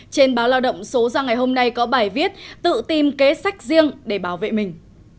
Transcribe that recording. trên báo lao động số ra ngày hôm nay có bài viết tự tìm kế sách riêng để bảo vệ mình